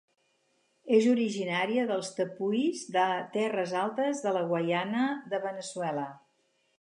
És originària dels tepuis de terres altes de la Guaiana de Veneçuela.